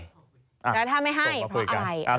หลายไม่ให้เพราะอะไร